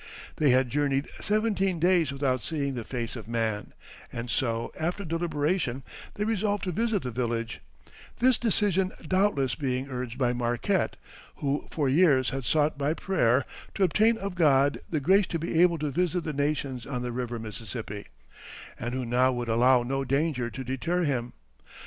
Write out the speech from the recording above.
They had journeyed seventeen days without seeing the face of man, and so, after deliberation, they resolved to visit the village; this decision doubtless being urged by Marquette, who for years had sought by prayer "to obtain of God the grace to be able to visit the nations on the river Mississippi," and who now would allow no danger to deter him.